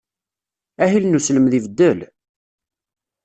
Ahil n uselmed ibeddel?